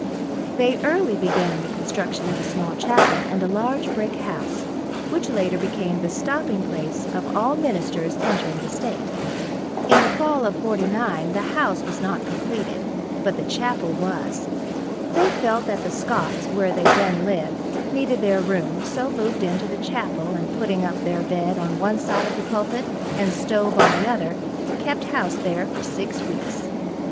They early began the construction of a small chapel and a large brick house which later became the stopping place of all ministers entering the state. In the fall of '49 the house was not completed, but the chapel was. They felt that the Scotts, where they then lived, needed their room, so moved into the chapel and putting up their bed on one side of the pulpit and stove on the other, kept house there for six weeks.